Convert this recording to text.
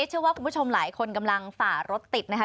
เชื่อว่าคุณผู้ชมหลายคนกำลังฝ่ารถติดนะคะ